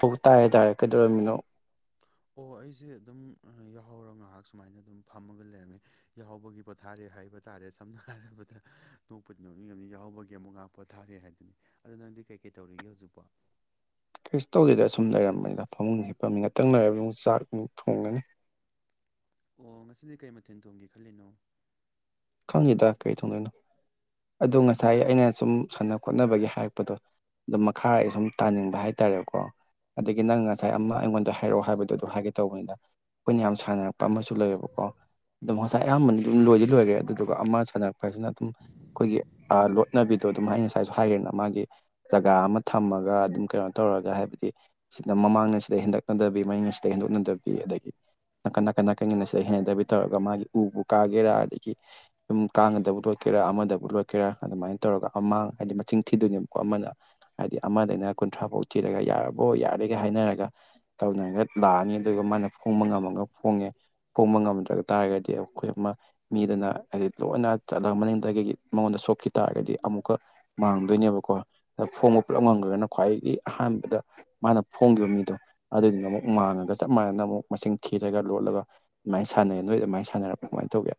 ꯑꯣ ꯇꯥꯔꯦ ꯇꯥꯔꯦ ꯀꯩꯗꯧꯔꯝꯃꯤꯅꯣ ꯑꯣ ꯑꯩꯁꯦ ꯑꯗꯨꯝ ꯌꯥꯍꯧꯔꯒꯥ ꯉꯥꯏꯍꯥꯛ ꯁꯨꯃꯥꯏꯅ ꯑꯗꯨꯝ ꯐꯝꯃꯒ ꯂꯩꯔꯝꯃꯤ ꯌꯥꯍꯧꯕꯒꯤ ꯄꯣꯊꯥꯔꯤ ꯍꯥꯏꯕ ꯇꯥꯔꯦ ꯁꯝꯅ ꯍꯥꯏꯔꯕꯗ ꯅꯣꯛꯄꯨꯗꯤ ꯅꯣꯛꯅꯤꯡꯉꯝꯅꯤ ꯌꯥꯍꯧꯕꯒꯤ ꯑꯃꯨꯛ ꯉꯍꯥꯛ ꯄꯣꯊꯥꯔꯤ ꯍꯥꯏꯗꯨꯅꯤ ꯑꯗꯣ ꯅꯪꯗꯤ ꯀꯩ ꯀꯩ ꯇꯧꯔꯤꯒꯦ ꯍꯧꯖꯤꯛꯄꯣ ꯀꯩꯁꯨ ꯇꯧꯗꯦꯗ ꯁꯨꯝ ꯂꯩꯔꯝꯕꯅꯤꯗ ꯐꯃꯨꯡ ꯍꯤꯞꯄꯝꯃꯤ ꯉꯥꯇꯪ ꯂꯩꯔꯒ ꯑꯃꯨꯛ ꯆꯥꯛ ꯅꯨꯡ ꯊꯣꯡꯉꯅꯤ ꯑꯣ ꯉꯁꯤꯗꯤ ꯀꯩ ꯃꯊꯦꯜ ꯊꯣꯡꯒꯦ ꯈꯜꯂꯤꯅꯣ ꯈꯪꯗꯦꯗ ꯀꯩ ꯊꯣꯡꯗꯣꯏꯅꯣ ꯑꯗꯣ ꯉꯁꯥꯏ ꯑꯩꯅ ꯁꯨꯝ ꯁꯥꯟꯅ ꯈꯣꯠꯅꯕꯒꯤ ꯍꯥꯏꯔꯛꯄꯗꯣ ꯑꯗꯥ ꯃꯈꯥ ꯑꯩ ꯁꯨꯝ ꯇꯥꯅꯤꯡꯕ ꯍꯥꯏꯇꯔꯦꯀꯣ ꯑꯗꯥꯒꯤ ꯅꯪ ꯉꯁꯥꯏ ꯑꯃ ꯑꯩꯉꯣꯟꯗ ꯍꯥꯏꯔꯛꯑꯣ ꯍꯥꯏꯕꯗꯣ ꯑꯗꯨ ꯍꯥꯏꯒꯦ ꯇꯧꯕꯅꯤꯗ ꯑꯩꯈꯣꯏꯅ ꯌꯥꯝ ꯁꯥꯟꯅꯔꯛꯄ ꯑꯃꯁꯨ ꯂꯩꯌꯦꯕꯀꯣ ꯑꯗꯨꯝ ꯉꯁꯥꯏ ꯑꯌꯥꯝꯕꯅ ꯑꯗꯨꯝ ꯂꯣꯏꯗꯤ ꯂꯣꯏꯒ꯭ꯔꯦ ꯑꯗꯨ ꯑꯗꯨꯒ ꯑꯃ ꯁꯥꯟꯅꯔꯄ ꯍꯥꯏꯁꯤꯅ ꯑꯗꯨꯝ ꯑꯩꯈꯣꯏꯒꯤ ꯑꯥ ꯂꯣꯠꯅꯕꯤꯗꯣ ꯑꯗꯨꯝ ꯑꯩ ꯉꯁꯥꯏꯁꯨ ꯍꯥꯏꯒ꯭ꯔꯦꯅ ꯃꯥꯒꯤ ꯖꯒꯥ ꯑꯃ ꯊꯝꯃꯒ ꯑꯗꯨꯝ ꯀꯩꯅꯣ ꯇꯧꯔꯒ ꯍꯥꯏꯕꯗꯤ ꯁꯤꯗ ꯃꯃꯥꯡꯅ ꯁꯤꯗꯩ ꯍꯦꯟꯗꯣꯛꯅꯗꯕꯤ ꯃꯅꯤꯡꯅ ꯁꯤꯗꯩ ꯍꯦꯟꯗꯣꯛꯅꯗꯕꯤ ꯑꯗꯥꯒꯤ ꯅꯥꯀꯟ ꯅꯥꯀꯟ ꯅꯥꯀꯟꯒꯤꯅ ꯁꯤꯗ ꯍꯦꯟꯅꯗꯕꯤ ꯇꯧꯔꯒ ꯃꯥꯒꯤ ꯎꯕꯨ ꯀꯥꯒꯦꯔ ꯑꯗꯥꯒꯤ ꯗꯨꯝ ꯀꯥꯡꯒꯗꯕꯨ ꯂꯣꯠꯀꯦꯔ ꯑꯃꯗꯕꯨ ꯂꯣꯠꯀꯦꯔ ꯑꯗꯨꯃꯥꯏꯟ ꯇꯧꯔꯒ ꯑꯃꯥ ꯍꯥꯏꯗꯤ ꯃꯁꯤꯡ ꯊꯤꯗꯣꯏꯅꯦꯕꯀꯣ ꯑꯃꯗ ꯍꯥꯏꯗꯤ ꯑꯃꯗꯩꯅ ꯀꯨꯟꯊ꯭ꯔꯥ ꯕꯥꯎ ꯊꯤꯔꯒ ꯌꯥꯔꯕ꯭ꯔꯣ ꯌꯥꯔꯦꯒ ꯍꯥꯏꯅꯔꯒ ꯇꯧꯅꯔꯒ ꯂꯥꯛꯑꯅꯤ ꯑꯗꯨꯒ ꯃꯥꯅ ꯐꯣꯡꯕ ꯉꯝꯃꯒ ꯐꯣꯡꯉꯦ ꯐꯣꯡꯕ ꯉꯝꯗ꯭ꯔꯥ ꯇꯥꯔꯒꯗꯤ ꯑꯩꯈꯣꯏ ꯑꯃ ꯃꯤꯗꯅ ꯍꯥꯏꯗꯤ ꯂꯣꯏꯅ ꯆꯠꯂꯒ ꯃꯅꯤꯡꯗꯩꯒꯤ ꯃꯉꯣꯟꯗ ꯁꯣꯛꯈꯤ ꯇꯥꯔꯒꯗꯤ ꯑꯃꯨꯛꯀ ꯃꯥꯡꯗꯣꯏꯅꯦꯕꯀꯣ ꯑꯗꯥ ꯐꯣꯡꯕ ꯄꯨꯂꯞ ꯉꯝꯒ꯭ꯔꯅ ꯈ꯭ꯋꯥꯏꯗꯒꯤ ꯑꯍꯥꯟꯕꯗ ꯃꯥꯅ ꯐꯣꯡꯈꯤꯕ ꯃꯤꯗꯣ ꯑꯗꯨꯗꯨꯅ ꯑꯃꯨꯛ ꯃꯥꯡꯉꯒ ꯆꯞ ꯃꯥꯟꯅꯅꯥ ꯑꯃꯨꯛ ꯃꯁꯤꯡ ꯊꯤꯔꯒ ꯂꯣꯠꯂꯒ ꯑꯗꯨꯃꯥꯏꯅ ꯁꯥꯟꯅꯩ ꯅꯣꯏ ꯑꯗꯨꯃꯥꯏ ꯁꯥꯟꯅꯔꯛꯄ꯭ꯔꯥ ꯀꯃꯥꯏꯟ ꯇꯧꯒꯦ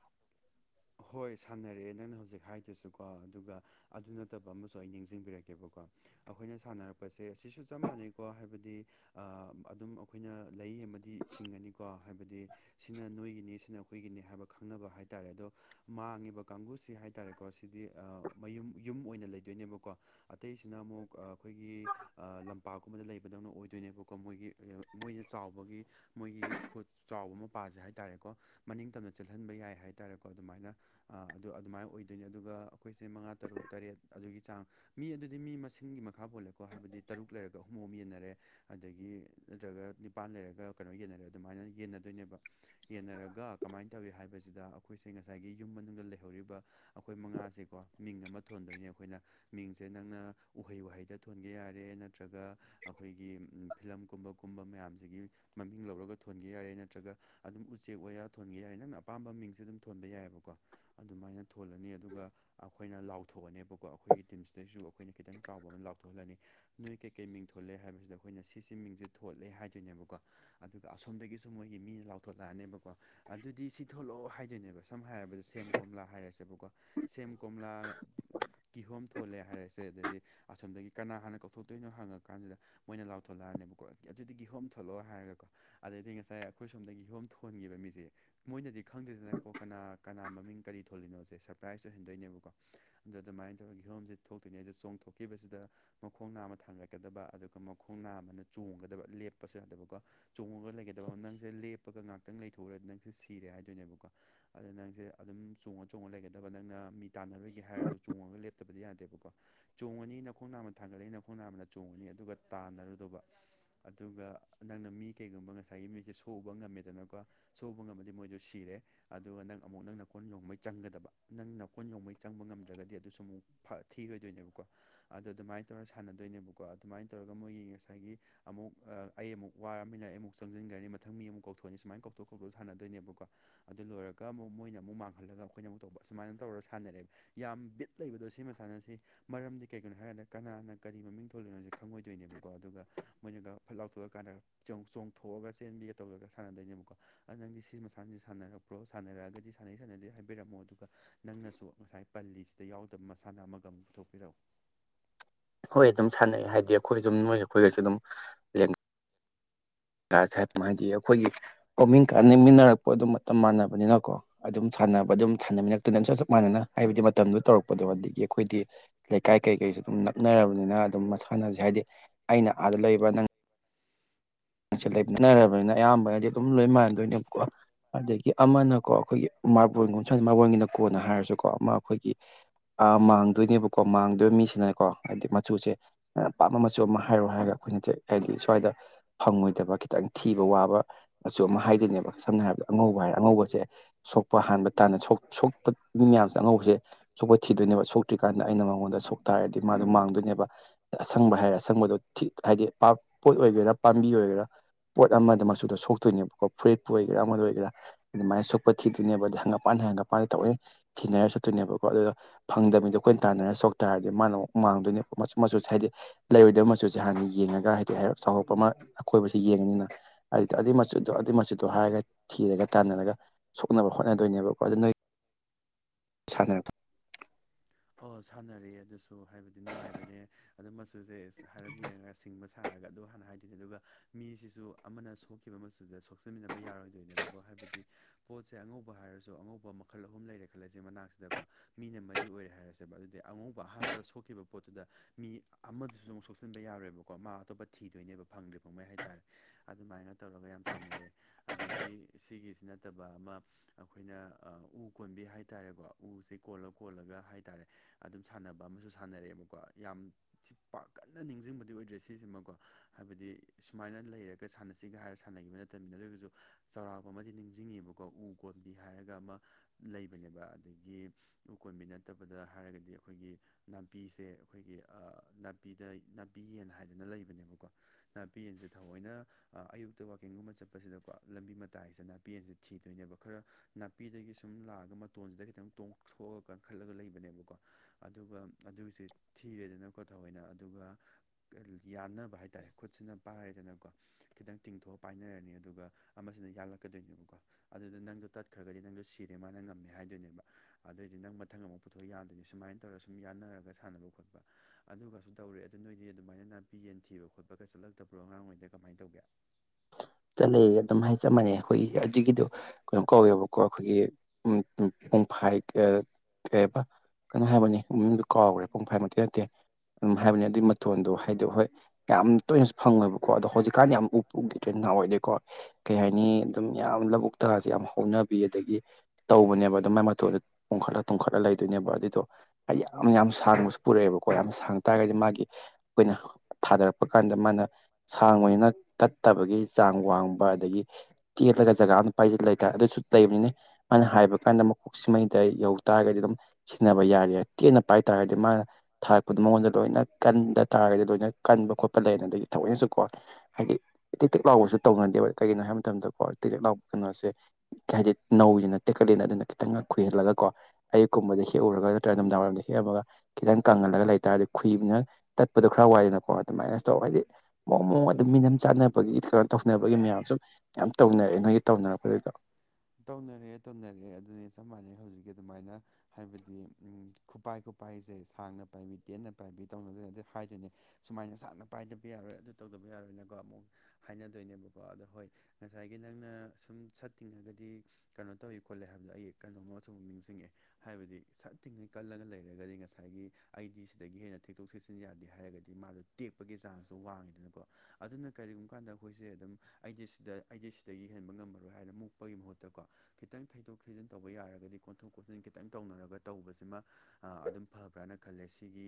ꯍꯣꯏ ꯁꯥꯟꯅꯔꯛꯑꯦ ꯅꯪꯅ ꯍꯧꯖꯤꯛ ꯍꯥꯏꯒꯤꯁꯨꯀꯣ ꯑꯗꯨꯒ ꯑꯗꯨ ꯅꯠꯇꯕ ꯑꯃꯁꯨ ꯑꯩ ꯅꯤꯡꯁꯤꯡꯕꯤꯔꯛꯀꯦꯕ ꯀꯣ ꯑꯩꯈꯣꯏꯅ ꯁꯥꯟꯅꯔꯛꯄꯁꯦ ꯁꯤꯁꯨ ꯆꯞ ꯃꯥꯟꯅꯩꯀꯣ ꯍꯥꯏꯕꯗꯤ ꯑꯥ ꯑꯗꯨꯝ ꯑꯈꯣꯏꯅ ꯂꯩꯏ ꯑꯃꯗꯤ ꯆꯤꯡꯒꯅꯤꯀꯣ ꯍꯥꯏꯕꯗꯤ ꯁꯤꯅ ꯅꯣꯏꯒꯤꯅꯤ ꯁꯤꯅ ꯑꯈꯣꯏꯒꯤꯅꯤ ꯍꯥꯏꯕ ꯈꯪꯅꯕ ꯍꯥꯏꯇꯔꯦ ꯑꯗꯣ ꯃꯥꯡꯉꯤꯕ ꯀꯥꯡꯕꯨꯁꯤ ꯍꯥꯏꯇꯔꯦꯀꯣ ꯁꯤꯗꯤ ꯑꯥ ꯃꯌꯨꯝ ꯌꯨꯝ ꯑꯣꯏꯅ ꯂꯩꯗꯣꯏꯅꯦꯕꯀꯣ ꯑꯇꯩꯁꯤꯅ ꯑꯃꯨꯛ ꯑꯥ ꯑꯈꯣꯏꯒꯤ ꯂꯝꯄꯥꯛꯀꯨꯝꯕꯗ ꯂꯩꯕꯗꯧꯅ ꯑꯣꯏꯗꯣꯏꯅꯦꯕ ꯀꯣ ꯃꯣꯏꯒꯤ ꯃꯣꯏꯅ ꯆꯥꯎꯕꯒꯤ ꯃꯣꯏꯒꯤ ꯈꯨꯠ ꯆꯥꯎꯕ ꯃꯄꯥꯁꯦ ꯍꯥꯏ ꯇꯥꯔꯦꯀꯣ ꯃꯅꯤꯡ ꯇꯝꯅ ꯆꯦꯜꯍꯟꯕ ꯌꯥꯏ ꯍꯥꯏ ꯇꯥꯔꯦꯀꯣ ꯑꯗꯨꯃꯥꯏꯅ ꯑꯥ ꯑꯗꯨ ꯑꯗꯨꯃꯥꯏꯅ ꯑꯣꯏꯗꯣꯏꯅꯤ ꯑꯗꯨꯒ ꯑꯈꯣꯏꯁꯦ ꯃꯉꯥ ꯇꯔꯨꯛ ꯇꯔꯦꯠ ꯑꯗꯨꯒꯤ ꯆꯥꯡ ꯃꯤ ꯑꯗꯨꯗꯤ ꯃꯤ ꯃꯁꯤꯡꯒꯤ ꯃꯈꯥ ꯄꯣꯜꯂꯦꯀꯣ ꯍꯥꯏꯕꯗꯤ ꯇꯔꯨꯛ ꯂꯩꯔꯒ ꯑꯍꯨꯝ ꯑꯍꯨꯝ ꯌꯦꯟꯅꯔꯦ ꯑꯗꯒꯤ ꯅꯠꯇ꯭ꯔꯒ ꯅꯤꯄꯥꯟ ꯂꯩꯔꯒ ꯀꯩꯅꯣ ꯌꯦꯟꯅꯔꯦ ꯑꯗꯨꯃꯥꯏꯅ ꯌꯦꯟꯅꯗꯣꯏꯅꯦꯕ ꯌꯦꯟꯅꯔꯒ ꯀꯃꯥꯏꯟ ꯇꯧꯔꯤ ꯍꯥꯏꯕꯁꯤꯗ ꯑꯈꯣꯏꯁꯦ ꯉꯁꯥꯏꯒꯤ ꯌꯨꯝ ꯃꯅꯨꯡꯗ ꯂꯩꯍꯧꯔꯤꯕ ꯑꯈꯣꯏ ꯃꯉꯥꯁꯦꯀꯣ ꯃꯤꯡ ꯑꯃ ꯊꯣꯟꯗꯣꯏꯅꯦ ꯑꯈꯣꯏꯅ ꯃꯤꯡꯁꯦ ꯅꯪꯅ ꯎꯍꯩ ꯋꯥꯍꯩꯗ ꯊꯣꯟꯒꯦ ꯌꯥꯔꯦ ꯅꯠꯇ꯭ꯔꯒ ꯑꯈꯣꯏꯒꯤ ꯐꯤꯂꯝ ꯀꯨꯝꯕ ꯀꯨꯝꯕ ꯃꯌꯥꯝꯁꯤꯒꯤ ꯃꯃꯤꯡ ꯂꯧꯔꯒ ꯊꯣꯟꯒꯦ ꯌꯥꯔꯦ ꯅꯠꯇ꯭ꯔꯒ ꯑꯗꯨꯝ ꯎꯆꯦꯛ ꯋꯥꯌꯥ ꯊꯣꯟꯒꯦ ꯌꯥꯔꯦ ꯅꯪꯅ ꯑꯄꯥꯝꯕ ꯃꯤꯡꯁꯦ ꯑꯗꯨꯝ ꯊꯣꯟꯕ ꯌꯥꯏꯕꯀꯣ ꯑꯗꯨꯃꯥꯏꯅ ꯊꯣꯜꯂꯅꯤ ꯑꯗꯨꯒ ꯑꯈꯣꯏꯅ ꯂꯥꯎꯊꯣꯛꯑꯅꯦꯕꯀꯣ ꯑꯈꯣꯏꯒꯤ ꯇꯤꯝꯁꯤꯗꯩꯩꯁꯨ ꯑꯈꯣꯏꯅ ꯈꯤꯇꯪ ꯆꯥꯎꯕ ꯑꯃ ꯂꯥꯎꯊꯣꯛꯍꯜꯂꯅꯤ ꯅꯣꯏ ꯀꯩꯀꯩ ꯃꯤꯡ ꯊꯣꯜꯂꯦ ꯍꯥꯏꯕꯁꯤꯗ ꯑꯈꯣꯏꯅ ꯁꯤꯁꯤ ꯃꯤꯡꯁꯦ ꯊꯣꯜꯂꯦ ꯍꯥꯏꯗꯣꯏꯅꯦꯕꯀꯣ ꯑꯗꯨꯒ ꯑꯁꯣꯝꯗꯒꯤꯁꯨ ꯃꯣꯏꯒꯤ ꯃꯤꯅ ꯂꯥꯎꯊꯣꯛꯂꯛꯑꯅꯦꯕꯀꯣ ꯑꯗꯨꯗꯤ ꯁꯤ ꯊꯣꯛꯂꯛꯑꯣ ꯍꯥꯏꯗꯣꯏꯅꯦꯕ ꯁꯝ ꯍꯥꯏꯔꯕꯗ ꯁꯦꯝ ꯀꯣꯝꯂꯥ ꯍꯥꯏꯔꯁꯦꯕꯀꯣ ꯁꯦꯝ ꯀꯣꯝꯂꯥ ꯀꯤꯍꯣꯝ ꯊꯣꯜꯂꯦ ꯍꯥꯏꯔꯁꯦ ꯑꯗꯩꯗꯤ ꯑꯁꯣꯝꯗꯒꯤ ꯀꯅꯥ ꯍꯥꯟꯅ ꯀꯧꯊꯣꯛꯇꯣꯏꯅꯣ ꯍꯪꯉ ꯀꯥꯟꯁꯤꯗ ꯃꯣꯏꯅ ꯂꯥꯎꯊꯣꯂꯛꯑꯅꯦꯕꯀꯣ ꯑꯗꯨꯗꯒꯤ ꯒꯤꯍꯣꯝ ꯊꯣꯛꯂꯛꯑꯣ ꯍꯥꯏꯔꯒꯀꯣ ꯑꯗꯩꯗꯤ ꯉꯁꯥꯏ ꯑꯈꯣꯏ ꯁꯣꯝꯗ ꯒꯤꯍꯣꯝ ꯊꯣꯟꯈꯤꯕ ꯃꯤꯁꯦ ꯃꯣꯏꯅꯗꯤ ꯈꯪꯗꯦꯗꯅꯀꯣ ꯀꯅꯥ ꯀꯅꯥ ꯃꯃꯤꯡ ꯀꯔꯤ ꯊꯣꯜꯂꯤꯅꯣꯁꯦ ꯁꯔꯄ꯭ꯔꯥꯏꯁ ꯑꯣꯏꯍꯟꯗꯣꯏꯅꯦꯕꯀꯣ ꯑꯗꯨꯗ ꯑꯗꯨꯃꯥꯏꯅ ꯇꯧꯔꯒ ꯒꯤꯍꯣꯝꯁꯦ ꯊꯣꯛꯇꯣꯏꯅꯦ ꯑꯗ ꯆꯣꯡꯊꯣꯛꯈꯤꯕꯁꯤꯗ ꯃꯈꯣꯡ ꯅꯝꯃꯥ ꯊꯥꯡꯒꯠꯀꯗꯕ ꯑꯗꯨꯒ ꯃꯈꯣꯡ ꯅꯝꯃꯅꯥ ꯆꯣꯡꯒꯗꯕ ꯂꯦꯞꯄꯁꯨ ꯌꯥꯗꯕꯀꯣ ꯆꯣꯡꯉꯒ ꯂꯩꯒꯗꯕ ꯅꯪꯁꯦ ꯂꯦꯞꯄꯒ ꯉꯥꯛꯇꯪ ꯂꯩꯊꯣꯛꯎꯔꯗꯤ ꯅꯪꯁꯦ ꯁꯤꯔꯦ ꯍꯥꯏꯗꯣꯏꯅꯦꯕꯀꯣ ꯑꯗ ꯅꯪꯁꯦ ꯑꯗꯨꯝ ꯆꯣꯡꯉ ꯆꯣꯡꯉ ꯂꯩꯒꯗꯕ ꯅꯪꯅ ꯃꯤ ꯇꯥꯟꯅꯔꯣꯏꯒꯦ ꯍꯥꯏꯔꯁꯨ ꯆꯣꯡꯉꯒ ꯂꯦꯞꯇꯕꯗꯤ ꯌꯥꯗꯦꯕꯀꯣ ꯆꯣꯡꯉꯅꯤ ꯅꯈꯣꯡ ꯅꯥꯝꯃꯅ ꯊꯥꯡꯒꯠꯂꯅꯤ ꯅꯈꯣꯡ ꯅꯥꯝꯃꯅ ꯆꯣꯡꯉꯅꯤ ꯑꯗꯨꯒ ꯇꯥꯟꯅꯔꯨꯗꯧꯕ ꯑꯗꯨꯒ ꯅꯪꯅ ꯃꯤ ꯀꯩꯒꯨꯝꯕ ꯉꯁꯥꯏꯒꯤ ꯃꯤꯁꯦ ꯁꯣꯛꯎꯕꯥ ꯉꯝꯃꯦꯗꯅꯀꯣ ꯁꯣꯛꯎꯕꯥ ꯉꯝꯃꯗꯤ ꯃꯣꯏꯗꯣ ꯁꯤꯔꯦ ꯑꯗꯨꯒ ꯅꯪ ꯑꯃꯨꯛ ꯅꯪ ꯅꯥꯀꯣꯟ ꯌꯧꯃꯩ ꯆꯪꯒꯗꯕ ꯅꯪ ꯅꯀꯣꯟ ꯌꯧꯃꯩ ꯆꯪꯕ ꯉꯝꯗ꯭ꯔꯒꯗꯤ ꯑꯗꯨꯁꯨ ꯑꯃꯨꯛ ꯊꯤꯔꯣꯏꯗꯣꯏꯅꯦꯕꯀꯣ ꯑꯗꯣ ꯑꯗꯨꯃꯥꯏꯅ ꯇꯧꯔꯒ ꯁꯥꯟꯅꯗꯣꯏꯅꯦꯕꯀꯣ ꯑꯗꯨꯃꯥꯏꯅ ꯇꯧꯔꯒ ꯃꯣꯏꯒꯤ ꯉꯁꯥꯏꯒꯤ ꯑꯃꯨꯛ ꯑꯩ ꯑꯃꯨꯛ ꯋꯔꯝꯃꯤꯅꯥ ꯑꯩ ꯑꯃꯨꯛ ꯆꯪꯁꯤꯟꯈ꯭ꯔꯅꯤ ꯃꯊꯪ ꯃꯤ ꯑꯃꯨꯛ ꯀꯧꯊꯣꯛꯑꯅꯤ ꯁꯨꯃꯥꯏꯅ ꯀꯧꯊꯣꯛ ꯀꯧꯊꯣꯛꯑ ꯁꯥꯟꯅꯗꯣꯏꯅꯦꯕꯀꯣ ꯑꯗꯨ ꯂꯣꯏꯔꯒ ꯑꯃꯨꯛ ꯃꯣꯏꯅ ꯑꯃꯨꯛ ꯃꯥꯡꯍꯜꯂꯒ ꯑꯩꯈꯣꯏꯅ ꯑꯃꯨꯛ ꯇꯧꯕ ꯑꯁꯨꯃꯥꯏꯅ ꯇꯧꯔ ꯁꯥꯟꯅꯔꯛꯑꯦ ꯌꯥꯝ ꯕꯤꯠ ꯂꯩꯕꯗꯣ ꯁꯤ ꯃꯁꯥꯟꯅꯁꯦ ꯃꯔꯝꯗꯤ ꯀꯩꯒꯤꯅꯣ ꯍꯥꯏꯀꯥꯟꯗ ꯀꯅꯥꯅ ꯀꯔꯤ ꯃꯃꯤꯡ ꯊꯣꯅꯂꯤꯅꯣꯁꯦ ꯈꯪꯉꯣꯏꯗꯣꯏꯅꯦꯕꯀꯣ ꯑꯗꯨꯒ ꯃꯣꯏꯅꯒ ꯐꯠ ꯂꯥꯎꯊꯣꯛꯑꯀꯥꯟꯗ ꯆꯣꯡꯊꯣꯛꯑꯒ ꯆꯦꯟꯕꯤꯒ ꯇꯧꯔꯒ ꯁꯥꯟꯅꯗꯣꯏꯅꯦꯕꯀꯣ ꯑ ꯅꯪꯗꯤ ꯁꯤ ꯃꯁꯥꯅꯁꯦ ꯁꯥꯟꯅꯔꯛ ꯄ꯭ꯔꯣ ꯁꯥꯟꯅꯔꯛꯑꯒꯗꯤ ꯁꯥꯟꯅꯩ ꯁꯥꯟꯅꯗꯦ ꯍꯥꯏꯕꯤꯔꯝꯃꯣ ꯑꯗꯨꯒ ꯅꯪꯅꯁꯨ ꯉꯁꯥꯏ ꯄꯜꯂꯤꯁꯤꯗ ꯌꯥꯎꯗꯕ ꯃꯁꯥꯟꯅ ꯑꯃꯒ ꯑꯃꯨꯛ ꯄꯨꯊꯣꯛꯄꯤꯔꯝꯃꯨ ꯍꯣꯏ ꯑꯗꯨꯝ ꯁꯥꯟꯅꯩ ꯍꯥꯏꯗꯤ ꯑꯩꯈꯣꯏ ꯑꯗꯨꯝ ꯅꯣꯏꯒ ꯑꯩꯈꯣꯏꯒꯁꯦ ꯑꯗꯨꯝ [unintelligible] ꯍꯥꯏꯗꯤ ꯑꯩꯈꯣꯏꯒꯤ ꯍꯧꯃꯤꯟ ꯀꯥꯃꯤꯟꯅꯔꯛꯄ ꯑꯗꯨꯝ ꯃꯇꯝ ꯃꯥꯟꯅꯕꯅꯤꯅꯀꯣ ꯑꯗꯨꯝ ꯁꯥꯟꯅꯕ ꯑꯗꯨꯝ ꯁꯥꯟꯅꯃꯤꯔꯛꯇꯨꯏ ꯅꯠꯇ꯭ꯔ ꯆꯞ ꯃꯥꯟꯅꯅ ꯍꯥꯏꯕꯗꯤ ꯃꯇꯝꯗꯣ ꯇꯧꯔꯛꯄꯗꯣ ꯑꯗꯒꯤ ꯑꯩꯈꯣꯏꯗꯤ ꯂꯩꯀꯥꯏ ꯀꯩꯀꯩꯁꯨ ꯑꯗꯨꯝ ꯅꯛꯅꯔꯕꯅꯤꯅ ꯑꯗꯨꯝ ꯃꯁꯥꯟꯅꯁꯦ ꯍꯥꯏꯗꯤ ꯑꯩꯅ ꯑꯥꯗ ꯂꯩꯕ ꯅꯪ [unintelligible] ꯑꯌꯥꯝꯕꯅꯗꯤ ꯑꯗꯨꯝ ꯂꯣꯏ ꯃꯥꯟꯅꯗꯣꯏꯅꯦꯕꯀꯣ ꯑꯗꯒꯤ ꯑꯃꯅꯀꯣ ꯑꯩꯈꯣꯏꯒꯤ ꯃꯥꯔꯕꯣꯟꯒꯨꯝꯕ ꯁꯥꯅ ꯃꯥꯔꯕꯣꯟꯒꯤꯅ ꯀꯣꯟꯅ ꯍꯥꯏꯔꯁꯨꯀꯣ ꯑꯃ ꯑꯩꯈꯣꯏꯒꯤ ꯑ ꯃꯥꯡꯗꯣꯏꯅꯦꯕꯀꯣ ꯃꯥꯡꯗꯣꯏꯕ ꯃꯤꯁꯤꯅꯀꯣ ꯍꯥꯏꯗꯤ ꯃꯆꯨꯁꯦ ꯅꯪꯅ ꯄꯥꯝꯕ ꯃꯆꯨ ꯑꯃ ꯍꯥꯏꯛꯔꯣ ꯍꯥꯏꯔꯒ ꯑꯩꯈꯣꯏꯅ ꯍꯥꯏꯗꯤ ꯁ꯭ꯋꯥꯏꯗ ꯐꯪꯉꯣꯏꯗꯕ ꯈꯤꯇꯪ ꯊꯤꯕ ꯋꯥꯕ ꯃꯆꯨ ꯑꯃ ꯍꯥꯏꯗꯣꯏꯅꯦꯕ ꯁꯝꯅ ꯍꯥꯏꯔꯕꯗ ꯑꯉꯧꯕ ꯍꯥꯏꯔꯦ ꯑꯉꯧꯕꯁꯦ ꯁꯣꯛꯄ ꯍꯥꯟꯕ ꯇꯥꯅ ꯁꯣꯛꯄ ꯃꯤ ꯃꯌꯥꯝꯁꯦ ꯑꯉꯧꯕꯁꯦ ꯁꯣꯛꯄ ꯊꯤꯗꯣꯏꯅꯦꯕ ꯁꯣꯛꯇ꯭ꯔꯤꯀꯥꯟꯗ ꯑꯩꯅ ꯃꯉꯣꯟꯗ ꯁꯣꯛ ꯇꯥꯔꯒꯗꯤ ꯃꯥꯗꯣ ꯃꯥꯡꯗꯣꯏꯅꯦꯕ ꯑꯁꯪꯕ ꯍꯥꯏꯔꯦ ꯑꯁꯪꯕꯗꯣ ꯊꯤ ꯍꯥꯏꯗꯤ ꯄ ꯄꯣꯠ ꯑꯣꯏꯒꯦꯔꯥ [unintelligible] ꯄꯣꯠ ꯑꯃꯗ ꯃꯆꯨꯗꯣ ꯁꯣꯛꯇꯣꯏꯅꯦꯕꯀꯣ ꯐꯨꯔꯤꯠꯄꯨ ꯑꯣꯏꯒꯦꯔꯥ ꯑꯃꯗ ꯑꯣꯏꯒꯦꯔꯥ ꯑꯗꯨꯃꯥꯏꯅ ꯁꯣꯛꯄ ꯊꯤꯗꯣꯏꯅꯦꯕ ꯑꯗꯤ ꯍꯪꯒꯄꯥꯟꯗꯤ ꯍꯪꯒꯄꯥꯟ ꯊꯥꯑꯣꯏꯅ ꯊꯤꯅꯔꯥ ꯆꯠꯇꯣꯏꯅꯦꯕꯀꯣ ꯑꯗꯨ ꯐꯪꯗꯕꯃꯤꯗꯣ ꯑꯩꯈꯣꯏꯅ ꯇꯥꯟꯅꯔꯒ ꯁꯣꯛ ꯇꯥꯔꯗꯤ ꯃꯥꯅ ꯑꯃꯨꯛ ꯃꯥꯡꯗꯣꯏꯅꯦꯕ ꯃꯆꯨ ꯃꯆꯨꯁꯦ ꯍꯥꯏꯗꯤ ꯂꯩꯔꯣꯏꯗꯕ ꯃꯆꯨꯁꯦ ꯍꯥꯟꯅ ꯌꯦꯡꯉꯒ ꯍꯥꯏꯗꯤ ꯍꯥꯏꯔꯞ ꯆꯥꯎꯔꯥꯛꯄ ꯑꯃ ꯑꯀꯣꯏꯕꯁꯤ ꯌꯦꯡꯉꯅꯤꯅ ꯍꯥꯏꯗ ꯑꯗꯨꯏ ꯃꯆꯨꯠꯇꯣ ꯑꯗꯨꯏ ꯃꯆꯨꯠꯇꯣ ꯍꯥꯏꯔꯒ ꯊꯤꯔꯒ ꯇꯥꯟꯅꯔꯒ ꯁꯣꯛꯅꯕ ꯍꯣꯠꯅꯗꯣꯏꯅꯦꯕꯀꯣ ꯑꯗꯨ ꯅꯣꯏ ꯁꯥꯟꯅꯔꯛ ꯑꯣ ꯁꯥꯟꯅꯔꯛꯑꯦ ꯑꯗꯨꯁꯨ ꯍꯥꯏꯕꯗꯤ ꯅꯨꯡꯉꯥꯏꯕꯅꯦ ꯑꯗꯣ ꯃꯆꯨꯁꯦ ꯍꯥꯏꯔꯞ ꯌꯦꯡꯉꯒ ꯁꯤꯡ ꯕ ꯁꯥꯔꯒ ꯑꯗꯨ ꯍꯥꯟꯅ ꯍꯥꯏꯗꯣꯏꯅꯦ ꯑꯗꯨꯒ ꯃꯤꯁꯤꯁꯨ ꯑꯃꯅ ꯁꯣꯛꯈꯤꯕ ꯃꯆꯨꯗ ꯁꯣꯛꯆꯤꯟꯃꯤꯟꯅꯕ ꯌꯥꯔꯣꯏꯗꯣꯏꯅꯦꯕꯀꯣ ꯍꯥꯏꯕꯗꯤ ꯄꯣꯠꯁꯦ ꯑꯉꯧꯕ ꯍꯥꯏꯔꯁꯨ ꯑꯉꯧꯕ ꯃꯈꯜ ꯑꯍꯨꯝ ꯂꯩꯔꯦ ꯈꯜꯂꯁꯦ ꯃꯅꯥꯛꯁꯤꯗꯀꯣ ꯃꯤꯅ ꯃꯔꯤ ꯑꯣꯏꯔꯦ ꯍꯥꯏꯔꯁꯦꯕ ꯑꯗꯨꯗꯤ ꯑꯉꯧꯕ ꯑꯍꯥꯟꯕ ꯁꯣꯛꯈꯤꯕ ꯄꯣꯠꯇꯨꯗ ꯃꯤ ꯑꯃꯗꯨꯁꯨ ꯑꯃꯨꯛ ꯁꯣꯛꯆꯤꯟꯕ ꯌꯥꯔꯣꯏꯕꯀꯣ ꯃꯥ ꯑꯇꯣꯞꯄ ꯊꯤꯗꯣꯏꯅꯦꯕ ꯐꯪꯗ꯭ꯔꯤ ꯐꯪꯉꯩ ꯍꯥꯏꯇꯥꯔꯦ ꯑꯗꯨꯃꯥꯏꯅ ꯇꯧꯔꯒ ꯌꯥꯝ ꯁꯥꯟꯅꯔꯛꯑꯦ ꯑꯗꯒꯤ ꯁꯤꯒꯤꯁꯤ ꯅꯠꯇꯕ ꯑꯃ ꯑꯩꯈꯣꯏꯅ ꯎ ꯀꯣꯟꯕꯤ ꯍꯥꯏꯇꯥꯥꯔꯦꯀꯣ ꯎꯁꯦ ꯀꯣꯜꯂ ꯀꯣꯜꯂꯒ ꯍꯥꯏ ꯇꯥꯔꯦ ꯑꯗꯨꯝ ꯁꯥꯟꯅꯕ ꯑꯃꯁꯨ ꯁꯥꯟꯅꯔꯛꯑꯦꯕꯀꯣ ꯌꯥꯝ ꯁꯤ ꯄꯥꯛ ꯀꯟꯅ ꯅꯤꯡꯁꯤꯡꯕꯗꯤ ꯑꯣꯏꯗ꯭ꯔꯦ ꯁꯤꯁꯤꯃꯀꯣ ꯍꯥꯏꯕꯗꯤ ꯁꯨꯃꯥꯏꯅ ꯂꯩꯔꯒ ꯁꯥꯟꯅꯁꯤꯒ ꯍꯥꯏꯔꯒ ꯁꯥꯟꯅꯈꯤꯕ ꯅꯠꯇꯦ ꯐꯠꯇꯃꯤꯟꯅ ꯑꯗꯨ ꯑꯣꯏꯔꯁꯨ ꯆꯥꯎꯔꯥꯛꯄ ꯑꯃꯗꯤ ꯅꯤꯡꯁꯤꯡꯉꯦꯕꯀꯣ ꯎ ꯀꯣꯟꯕꯤ ꯍꯥꯏꯔꯒ ꯑꯃ ꯂꯩꯕꯅꯦꯕ ꯑꯗꯒꯤ ꯎꯀꯣꯟꯕꯤ ꯅꯠꯇꯕꯗ ꯍꯥꯏꯔꯒꯗꯤ ꯑꯩꯈꯣꯏꯒꯤ ꯅꯥꯄꯤꯁꯦ ꯑꯩꯈꯣꯏꯒꯤ ꯑꯥ ꯅꯥꯄꯤꯗ ꯅꯥꯄꯤꯌꯦꯟ ꯍꯥꯏꯗꯅ ꯂꯩꯕꯅꯦꯕꯀꯣ ꯅꯥꯄꯤ ꯌꯦꯟꯁꯦ ꯊꯑꯣꯏꯅ ꯑꯌꯨꯛꯇ ꯋꯥꯛꯀꯤꯡꯒꯨꯝꯕ ꯆꯠꯄꯁꯤꯗꯀꯣ ꯂꯝꯕꯤ ꯃꯇꯥꯏꯁꯤꯗ ꯅꯥꯄꯤ ꯌꯦꯟ ꯑꯁꯤ ꯊꯤꯗꯣꯏꯅꯦꯕ ꯈꯔ ꯅꯥꯄꯤꯗꯒꯤ ꯁꯨꯝ ꯂꯥꯛꯑꯒ ꯃꯇꯣꯟꯁꯤꯗ ꯈꯤꯇꯪ ꯇꯣꯡꯊꯣꯛꯑꯒ ꯈꯠꯂꯒ ꯂꯩꯕꯅꯦꯕꯀꯣ ꯑꯗꯨꯒ ꯑꯗꯨꯒꯥꯁꯤ ꯊꯤꯔꯦꯗꯅꯀꯣ ꯊꯑꯣꯏꯅ ꯑꯗꯨꯒ ꯌꯥꯟꯅꯕ ꯍꯥꯏꯇꯥꯔꯦ ꯈꯨꯠꯁꯤꯅ ꯄꯥꯏꯔꯦꯅꯀꯣ ꯈꯤꯇꯪ ꯇꯤꯡꯊꯣꯛꯑ ꯄꯥꯏꯅꯔꯅꯤ ꯑꯗꯨꯒ ꯑꯃꯁꯤꯅ ꯌꯥꯜꯂꯛꯀꯗꯣꯏꯅꯦꯕꯀꯣ ꯑꯗꯨꯗ ꯅꯪꯗꯣ ꯇꯠꯈ꯭ꯔꯒꯗꯤ ꯅꯪꯗꯣ ꯁꯤꯔꯦ ꯃꯥꯅ ꯉꯝꯃꯦ ꯍꯥꯏꯗꯣꯏꯅꯦꯕ ꯑꯗꯨꯑꯣꯏꯗꯤ ꯅꯪ ꯃꯊꯪ ꯑꯃ ꯄꯨꯊꯣꯛꯎ ꯌꯥꯗꯣꯏꯅꯤ ꯁꯨꯃꯥꯏꯅ ꯇꯧꯔ ꯁꯨꯝ ꯌꯥꯅꯔꯒ ꯁꯥꯟꯅꯕ ꯈꯣꯠꯄ ꯑꯗꯨꯒꯁꯨ ꯇꯧꯔꯦ ꯑꯗꯨ ꯅꯣꯏꯗꯤ ꯑꯗꯨꯃꯥꯏꯅ ꯅꯥꯄꯤ ꯌꯦꯟ ꯊꯤꯕ ꯈꯣꯠꯄꯒ ꯆꯠꯂꯛꯇꯕ꯭ꯔꯣ ꯑꯉꯥꯡꯑꯣꯏꯉꯩꯗ ꯀꯃꯥꯏꯅ ꯇꯧꯒꯦ ꯆꯠꯂꯦ ꯑꯗꯨꯝ ꯍꯥꯏ ꯆꯞ ꯃꯥꯅꯩ ꯑꯩꯈꯣꯏꯒꯤ ꯑꯗꯨꯒꯤꯗꯣ ꯀꯩꯅꯣꯝ ꯀꯧꯋꯦꯕꯀꯣ ꯑꯩꯈꯣꯏꯒꯤ ꯄꯨꯡꯐꯥꯏ ꯀꯩꯕ ꯀꯩꯅꯣꯝ ꯍꯥꯏꯕꯅꯤ ꯃꯃꯤꯡꯗꯨ ꯀꯥꯎꯈ꯭ꯔꯦ ꯄꯨꯡꯐꯥꯏꯃꯛꯇꯤ ꯅꯠꯇꯦ ꯑꯗꯨꯝ ꯍꯥꯏꯕꯅꯤ ꯑꯗꯨꯒꯤ ꯃꯇꯣꯟꯗꯣ ꯍꯥꯏꯗꯤ ꯍꯣꯏ ꯌꯥꯝ ꯇꯣꯏꯅꯁꯨ ꯐꯪꯉꯣꯏꯕꯀꯣ ꯑꯗꯣ ꯍꯧꯖꯤꯛꯀꯥꯟꯗꯤ ꯌꯥꯝ ꯎꯞ ꯎꯞ ꯎꯈꯤꯗꯔ꯭ꯦ ꯀꯩ ꯍꯥꯏꯅꯤ ꯑꯗꯨꯝ ꯌꯥꯝ ꯂꯧꯕꯨꯛꯇ ꯍꯧꯖꯤꯛ ꯌꯥꯝ ꯍꯧꯅꯕꯤ ꯑꯗꯒꯤ ꯇꯧꯕꯅꯦꯕ ꯑꯗꯨ ꯃꯥꯏ ꯃꯇꯣꯟꯗ ꯇꯣꯡꯈꯠꯂ ꯇꯣꯡꯈꯠꯂ ꯂꯩꯗꯣꯏꯅꯦꯕ ꯑꯗꯨꯗꯣ ꯑꯩ ꯌꯥꯝ ꯌꯥꯝ ꯁꯥꯡꯕꯁꯨ ꯄꯨꯔꯛꯑꯦꯕꯀꯣ ꯌꯥꯝ ꯁꯥꯡ ꯇꯥꯔꯒꯗꯤ ꯃꯥꯒꯤ ꯑꯈꯣꯏꯅ ꯊꯥꯗꯔꯛꯄ ꯀꯥꯟꯗ ꯃꯥꯅ ꯁꯥꯥꯡꯕꯅꯤꯅꯥ ꯇꯠꯇꯕꯒꯤ ꯆꯥꯡ ꯋꯥꯡꯕ ꯑꯗꯒꯤ ꯇꯦꯜꯂꯒ ꯖꯒꯥ ꯑꯃ ꯄꯥꯏꯖꯤꯜ ꯂꯩꯇꯥꯥꯏ ꯑꯗꯨꯁꯨ ꯇꯝꯃꯤꯅꯤ ꯃꯅꯥ ꯍꯥꯏꯕ ꯀꯥꯟꯗ ꯃꯀꯣꯛꯁꯤꯃꯩ ꯗꯥꯏ ꯌꯧ ꯇꯥꯔꯒꯗꯤ ꯑꯗꯨꯝ ꯁꯤꯖꯤꯟꯅꯕ ꯌꯥꯔꯦ ꯇꯦꯟꯅ ꯄꯥꯏ ꯇꯥꯔꯗꯤ ꯃꯥꯅꯥ ꯊꯥꯔꯛꯄꯗ ꯃꯉꯣꯟꯗ ꯂꯣꯏꯅ ꯀꯟꯗ ꯇꯥꯔꯒꯗꯤ ꯂꯣꯏꯅ ꯀꯟꯕ ꯈꯣꯠꯄ ꯂꯩꯅ ꯑꯗꯒꯤ ꯊꯑꯣꯏꯅꯁꯨ ꯀꯣ ꯍꯥꯏꯗꯤ ꯇꯦꯛꯇꯦꯛ ꯂꯥꯎꯕꯁꯨ ꯇꯧꯅꯗꯦꯕ ꯀꯩꯒꯤꯅꯣ ꯍꯥꯏ ꯃꯇꯝꯗꯀꯣ ꯇꯦꯛꯇꯦꯛ ꯂꯥꯎꯕ ꯁꯦ ꯍꯥꯏꯗꯤ ꯅꯧꯋꯤꯅ ꯇꯦꯛꯀꯠꯂꯤꯅ ꯑꯗꯨꯅ ꯈꯤꯇꯪꯒ ꯈꯨꯏꯍꯜꯂꯒ ꯀꯣ ꯑꯌꯨꯛꯀꯨꯝꯕꯗ ꯍꯦꯛꯎꯔꯒ ꯅꯠꯇ꯭ꯔꯒ ꯅꯨꯡꯃꯤꯗꯥꯡ ꯋꯥꯏꯔꯝꯗ ꯍꯦꯛꯑꯝꯃꯒ ꯈꯤꯇꯪ ꯀꯪꯍꯜꯂꯒ ꯂꯩꯇꯥꯔꯗꯤ ꯈꯨꯏꯕꯅ ꯇꯠꯄꯗꯣ ꯈꯔ ꯋꯥꯏꯗꯅꯀꯣ ꯑꯗꯨꯃꯥꯏꯅꯁꯨ ꯇꯧ ꯍꯥꯏꯗꯤ ꯃꯑꯣꯡ ꯃꯑꯣꯡ ꯑꯗꯨꯝ ꯃꯤꯅꯝ ꯆꯥꯅꯕ ꯈꯔ ꯇꯧꯁꯟꯅꯕꯒꯤ ꯃꯌꯥꯝꯁꯨꯝ ꯌꯥꯝ ꯇꯧꯅꯔꯑꯦ ꯅꯣꯏꯒꯤ ꯇꯧꯅꯔꯛꯄꯗꯨꯗꯣ ꯇꯧꯅꯔꯛꯑꯦ ꯇꯧꯅꯔꯛꯑꯦ ꯑꯗꯨꯅꯤ ꯆꯞ ꯃꯥꯟꯅꯩ ꯍꯧꯖꯤꯛꯀꯤ ꯑꯗꯨꯃꯥꯏꯅ ꯍꯥꯏꯕꯗꯤ ꯎꯝ ꯈꯨꯄꯥꯏ ꯈꯨꯄꯥꯏꯁꯦ ꯁꯥꯡꯅ ꯄꯥꯏꯕꯤ ꯇꯦꯟꯅ ꯄꯥꯏꯕꯤ ꯇꯧꯅꯗꯣꯏꯅꯦ ꯑꯗꯩꯩ ꯍꯥꯏꯗꯣꯏꯅꯦ ꯁꯨꯃꯥꯏꯅ ꯁꯥꯡꯅ ꯄꯥꯏꯗꯕ ꯌꯥꯔꯣꯏ ꯑꯗꯨ ꯇꯧꯗꯕ ꯌꯥꯔꯣꯏꯅꯀꯣ ꯑꯃꯨꯛ ꯍꯥꯏꯅꯗꯣꯏꯅꯦꯕꯀꯣ ꯑꯗꯣ ꯍꯣꯏ ꯉꯁꯥꯏꯒꯤ ꯅꯪꯅ ꯁꯨꯝ ꯁꯠ ꯇꯤꯡꯉꯒꯗꯤ ꯗꯤ ꯀꯩꯅꯣ ꯇꯧꯏ ꯈꯣꯠꯂꯦ ꯍꯥꯏꯕꯗꯣ ꯑꯩ ꯀꯩꯅꯣꯝꯃ ꯁꯨꯃꯨꯛ ꯅꯤꯡꯁꯤꯡꯉꯛꯑꯦ ꯍꯥꯏꯕꯗꯤ ꯁꯠ ꯇꯤꯡꯉꯩ ꯀꯜꯂꯒ ꯂꯩꯔꯒꯗꯤ ꯉꯁꯥꯏꯒꯤ ꯑꯩꯗꯤ ꯁꯤꯗꯒꯤ ꯍꯦꯟꯅ ꯊꯦꯛꯇꯣꯛ ꯊꯦꯛꯆꯤꯟ ꯌꯥꯗꯦ ꯍꯥꯏꯔꯒꯗꯤ ꯃꯥꯗꯨ ꯇꯦꯛꯄꯒꯤ ꯆꯥꯟꯁꯇꯣ ꯋꯥꯡꯉꯤꯗꯅꯀꯣ ꯑꯗꯨꯅ ꯀꯔꯤꯒꯨꯝꯕ ꯀꯥꯟꯗ ꯑꯈꯣꯏꯁꯦ ꯑꯗꯨꯝ ꯑꯩꯗꯤ ꯁꯤꯗ ꯑꯩꯗꯤ ꯁꯤꯗꯒꯤ ꯍꯦꯟꯕ ꯉꯝꯃꯔꯣꯏ ꯍꯥꯏꯅ ꯃꯨꯛꯄꯒꯤ ꯃꯍꯨꯠꯇꯀꯣ ꯈꯤꯇꯪ ꯊꯩꯗꯣꯛ ꯊꯩꯖꯤꯟ ꯇꯧꯕ ꯌꯥꯔꯒꯗꯤ ꯀꯣꯟꯊꯣꯛ ꯀꯣꯟꯁꯤꯟ ꯈꯤꯇꯪ ꯇꯧꯅꯔꯒ ꯇꯧꯕꯁꯤꯃ ꯑꯗꯨꯝ ꯐꯕ꯭ꯔꯥꯅ ꯈꯜꯂꯦ ꯁꯤꯒꯤ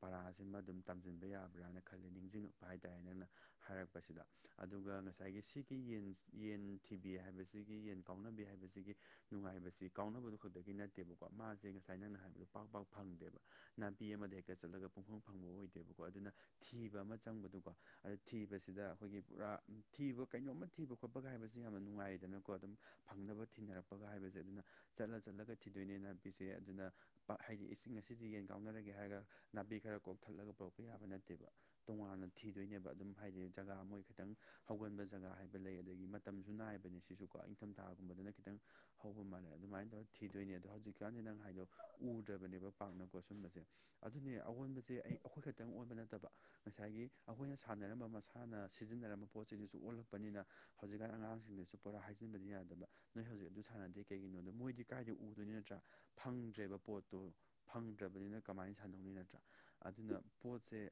ꯄꯔꯥꯁꯤꯃ ꯑꯗꯨꯝ ꯇꯝꯖꯤꯟꯕ ꯌꯥꯕ꯭ꯔꯥꯅ ꯈꯜꯂꯦ ꯅꯤꯡꯁꯤꯡꯉ ꯍꯥꯏꯇꯥꯔꯦ ꯅꯪꯅ ꯍꯥꯏꯔꯛꯄꯁꯤꯗ ꯑꯗꯨꯒ ꯉꯁꯥꯏꯒꯤ ꯁꯤꯒꯤ ꯌꯦꯟꯁ ꯌꯦꯟ ꯊꯤꯕꯤ ꯍꯥꯏꯕꯁꯤ ꯒꯤ ꯌꯦꯟ ꯀꯥꯎꯅꯕꯤ ꯍꯥꯏꯕꯁꯤꯒꯤ ꯅꯨꯡꯉꯥꯏꯕꯁꯤ ꯀꯥꯎꯅꯕꯗꯨ ꯈꯛꯇꯒꯤ ꯅꯠꯇꯦꯕꯀꯣ ꯃꯥꯁꯦ ꯉꯁꯥꯏ ꯅꯪꯅ ꯍꯥꯏꯕꯗꯣ ꯄꯥꯛ ꯄꯥꯛ ꯐꯪꯗꯦꯕ ꯅꯥꯄꯤ ꯑꯃꯗ ꯍꯦꯛꯇ ꯆꯠꯂꯒ ꯄꯨꯡꯐꯡ ꯐꯪꯕ ꯑꯣꯏꯗꯦꯕꯀꯣ ꯑꯗꯨꯅ ꯊꯤꯕ ꯑꯃ ꯆꯪꯕꯗꯨꯀꯣ ꯑꯗ ꯊꯤꯕꯁꯤꯗ ꯑꯈꯣꯏꯒꯤ ꯄꯨꯔꯥ ꯊꯤꯕ ꯀꯩꯅꯣꯝꯃ ꯊꯤꯕ ꯈꯣꯠꯄꯒ ꯍꯥꯏꯕꯁꯤ ꯌꯥꯝꯅ ꯅꯨꯡꯉꯥꯏꯗꯅ ꯀꯣ ꯑꯗꯨꯝ ꯐꯪꯅꯕ ꯊꯤꯅꯔꯛꯄꯒ ꯍꯥꯏꯕꯁꯦ ꯑꯗꯨꯅ ꯆꯠꯂ ꯆꯠꯂꯒ ꯊꯤꯗꯣꯏꯅꯦꯅ ꯅꯥꯄꯤꯁꯦ ꯑꯗꯨꯅ ꯄꯥꯛ ꯍꯥꯏꯗꯤ ꯏꯁꯤꯡ ꯑꯁꯤꯗꯤ ꯌꯦꯟ ꯀꯥꯎꯅꯔꯒꯦ ꯍꯥꯏꯔ ꯅꯥꯄꯤ ꯈꯔ ꯀꯣꯛ ꯊꯠꯂꯒ ꯄꯨꯔꯛꯄ ꯌꯥꯕ ꯅꯠꯇꯦꯕ ꯇꯣꯉꯥꯟꯅ ꯊꯤꯗꯣꯏꯅꯦꯕ ꯑꯗꯨꯝ ꯍꯥꯏꯗꯤ ꯖꯒꯥ ꯃꯣꯏ ꯈꯤꯇꯪ ꯍꯧꯒꯟꯕ ꯖꯒꯥ ꯍꯥꯏꯕ ꯂꯩ ꯑꯗꯒꯤ ꯇꯝꯁꯨ ꯅꯥꯏꯕꯅꯦ ꯁꯤꯁꯨꯀꯣ ꯏꯪꯊꯝꯊꯥꯒꯨꯝꯕꯗꯅ ꯈꯤꯇꯪ ꯍꯧꯕ ꯃꯥꯜꯂꯦ ꯑꯗꯨꯃꯥꯏꯅ ꯇꯧꯔ ꯊꯤꯗꯣꯏꯅꯤ ꯑꯗꯣ ꯍꯧꯖꯤꯛꯀꯥꯟꯗꯤ ꯅꯪ ꯍꯥꯏꯗꯣ ꯎꯗ꯭ꯔꯕꯅꯦꯕ ꯄꯥꯛꯅꯀꯣ ꯁꯨꯝꯕꯁꯦ ꯑꯗꯨꯅꯦ ꯑꯥꯑꯣꯟꯕꯁꯦ ꯑꯩ ꯑꯈꯣꯏ ꯈꯛꯇꯪ ꯑꯣꯟꯕ ꯅꯠꯇꯕ ꯉꯁꯥꯏꯒꯤ ꯑꯈꯣꯏꯅ ꯁꯥꯟꯅꯔꯝꯕ ꯃꯁꯥꯅꯥ ꯁꯤꯖꯤꯟꯅꯔꯝꯕ ꯄꯣꯠꯆꯩꯗꯨꯁꯨ ꯑꯣꯜꯂꯛꯄꯅꯤꯅ ꯍꯧꯖꯤꯛꯀꯥꯟ ꯑꯉꯥꯡꯁꯤꯡꯗꯁꯨ ꯄꯨꯔꯥ ꯍꯥꯏꯠ ꯖꯤꯟꯕꯗꯤ ꯌꯥꯗꯕ ꯅꯣꯏ ꯍꯧꯖꯤꯛ ꯑꯗꯨ ꯁꯥꯟꯅꯗꯦ ꯀꯩꯒꯤꯅꯣꯗꯣ ꯃꯣꯏꯗꯤ ꯀꯥꯏꯗ ꯎꯗꯣꯏꯅꯣ ꯅꯠꯇ꯭ꯔꯥ ꯐꯪꯗ꯭ꯔꯦꯕ ꯄꯣꯠꯇꯣ ꯐꯪꯗ꯭ꯔꯕꯅꯤꯅ ꯀꯃꯥꯏꯅ ꯁꯥꯟꯅꯧꯅꯤ ꯅꯠꯇ꯭ꯔꯥ ꯑꯗꯨꯅ ꯄꯣꯠꯁꯦ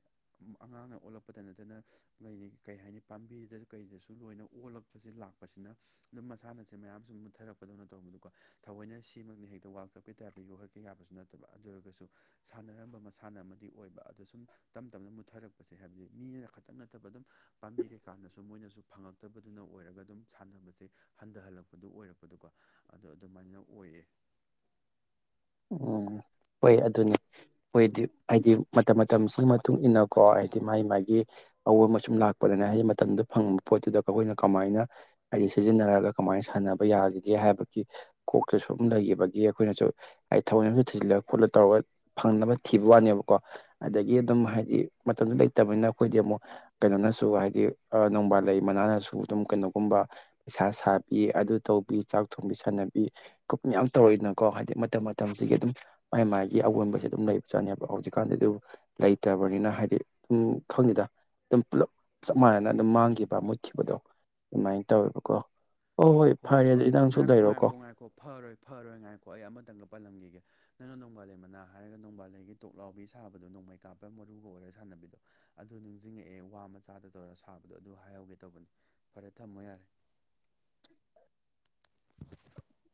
ꯑꯉꯥꯡꯅ ꯑꯣꯜꯂꯛꯄꯗ ꯅꯠꯇꯅ ꯂꯩꯌꯤ ꯀꯩ ꯍꯥꯏꯅꯤ ꯄꯥꯝꯕꯤꯗ ꯀꯩꯗꯁꯨ ꯂꯣꯏꯅ ꯑꯣꯜꯂꯛ ꯐꯨꯖꯤꯜ ꯂꯥꯛꯄꯁꯤꯅ ꯗꯨꯝ ꯃꯁꯥꯟꯅꯁꯦ ꯃꯌꯥꯝ ꯁꯨꯝ ꯃꯨꯊꯔꯛꯄꯗꯧꯅ ꯇꯧꯕꯗꯨꯀꯣ ꯊꯥꯑꯣꯏꯅ ꯁꯤꯃꯛꯅꯥ ꯍꯦꯛꯇ ꯋꯥꯜ ꯀꯞꯀꯤ ꯇꯥꯏꯞꯇ ꯌꯣꯛꯍꯠ ꯀꯦꯌꯥꯕꯁꯨ ꯅꯠꯇꯕ ꯑꯗꯨ ꯑꯣꯏꯔꯒꯁꯨ ꯁꯥꯟꯅꯔꯝꯕ ꯃꯁꯥꯟꯅ ꯑꯃꯗꯤ ꯑꯣꯏꯕ ꯑꯥ ꯇꯥꯁꯨꯝ ꯇꯞ ꯇꯞꯅ ꯃꯨꯠꯊꯔꯛꯄꯁꯦ ꯍꯥꯏꯕꯗꯤ ꯃꯤꯌꯥ ꯈꯥꯠ ꯊꯟ ꯅꯠꯇꯕ ꯗꯨꯝ ꯄꯥꯝꯕꯤꯁꯦ ꯀꯥꯟꯅꯥꯁꯨ ꯃꯣꯏꯅꯁꯨ ꯐꯪꯉꯛꯇꯕꯗꯨꯅ ꯑꯣꯏꯔꯒ ꯑꯗꯨꯝ ꯁꯥꯟꯅꯕꯁꯦ ꯍꯟꯗꯍꯜꯂꯛꯄꯗꯨ ꯑꯣꯏꯔꯛꯄꯗꯨꯀꯣ ꯑꯗꯣ ꯑꯗꯨꯃꯥꯏꯅ ꯑꯣꯏꯌꯦ ꯎꯝ ꯍꯣꯏ ꯑꯗꯨꯅꯦ ꯍꯣꯏꯗꯤ ꯍꯥꯏꯗꯤ ꯃꯇꯝ ꯃꯇꯝꯁꯤꯒꯤ ꯃꯇꯨꯡ ꯏꯟꯅꯀꯣ ꯍꯥꯏꯗꯤ ꯃꯥꯏ ꯃꯥꯒꯤ ꯑꯑꯣꯝꯕ ꯁꯨꯝ ꯂꯥꯛꯄꯗꯅꯦ ꯍꯩ ꯃꯇꯝꯗ ꯐꯪꯕ ꯄꯣꯠꯇꯨꯗ ꯑꯩꯈꯣꯏꯅ ꯀꯃꯥꯏꯅ ꯍꯩ ꯁꯤꯖꯤꯟꯅꯔꯒ ꯀꯃꯥꯏ ꯁꯥꯟꯅꯕ ꯌꯥꯒꯤꯒꯦ ꯍꯥꯏꯕꯒꯤ ꯀꯣꯛꯇ ꯁꯨꯝ ꯂꯩꯈꯤꯕꯒꯤ ꯑꯩꯈꯣꯏꯅꯁꯨ ꯑꯩꯠ ꯊꯋꯣꯜꯃꯁꯨ ꯊꯤꯖꯤꯜꯂ ꯈꯣꯠꯂ ꯇꯧꯔꯒ ꯐꯪꯅꯕ ꯊꯤꯕ ꯋꯥꯅꯦꯕꯀꯣ ꯑꯗꯒꯤ ꯑꯗꯨꯝ ꯍꯥꯏꯗꯤ ꯃꯇꯝꯗꯨ ꯂꯩꯇꯕꯅꯦꯅ ꯑꯩꯈꯣꯏꯗꯤ ꯑꯃꯨꯛ ꯀꯩꯅꯣꯅꯁꯨ ꯍꯥꯏꯗꯤ ꯑꯥ ꯅꯣꯡꯕꯥꯜ ꯂꯩ ꯃꯅꯥꯅꯁꯨ ꯑꯗꯨꯝ ꯀꯩꯅꯣꯒꯨꯝꯕ ꯁꯥ ꯁꯥꯕꯤ ꯑꯗꯨ ꯇꯧꯕꯤ ꯆꯥꯛ ꯊꯣꯡꯕꯤ ꯁꯥꯟꯅꯕꯤ ꯈꯣꯠ ꯃꯌꯥꯝ ꯇꯧꯔꯛꯏꯅꯀꯣ ꯍꯥꯏꯗꯤ ꯃꯇꯝ ꯃꯠ ꯇꯝꯁꯤꯒꯤ ꯑꯗꯨꯝ ꯃꯥꯏ ꯃꯥꯏꯒꯤ ꯑꯑꯣꯟꯕꯁꯦ ꯑꯗꯨꯝ ꯂꯩ ꯖꯥꯠꯅꯦꯕ ꯍꯧꯖꯤꯛꯀꯥꯟꯗꯦ ꯑꯗꯨꯝ ꯂꯩꯇꯕꯅꯤꯅ ꯍꯥꯏꯗꯤ ꯑꯝ ꯈꯪꯗꯦꯗ ꯇꯨꯝꯄꯨꯂꯞ ꯆꯞ ꯃꯥꯟꯅꯅ ꯑꯗꯨꯝ ꯃꯥꯡꯈꯤꯕ ꯃꯨꯠꯈꯤꯕꯗꯣ ꯅ ꯇꯧꯔꯥꯕꯀꯣ ꯍꯣꯏ ꯄꯛ ꯉꯥꯏꯈꯣ ꯉꯥꯏꯈꯣ ꯉꯥꯏꯈꯣ ꯐꯔꯣꯏ ꯐꯔꯣꯏ ꯉꯥꯏꯈꯣ ꯑꯩ ꯑꯃꯇꯪꯒ ꯄꯜꯂꯝꯒꯤꯒꯦ ꯅꯪꯅ ꯅꯣꯡꯕꯥꯜꯂꯩ ꯃꯅꯥ ꯍꯥꯏꯔꯒ ꯅꯣꯡꯕꯥꯜꯂꯩꯒꯤ ꯇꯣꯛꯂꯥꯎꯕꯤ ꯁꯥꯕꯗꯣ ꯅꯣꯡꯃꯩ ꯀꯥꯞꯄ ꯃꯔꯨꯒ ꯑꯣꯏꯔꯒ ꯁꯥꯟꯅꯕꯤꯗꯣ ꯑꯗꯨ ꯅꯤꯡꯁꯤꯡꯉꯛꯑꯦ ꯋꯥ ꯃꯆꯥꯥꯗ ꯇꯧꯔ ꯁꯥꯕꯗꯣ ꯑꯗꯨ ꯍꯥꯏꯍꯧꯒꯦ ꯇꯧꯕꯅꯤ ꯐꯔꯦ ꯊꯝꯃꯣ ꯌꯥꯔꯦ [inaudible]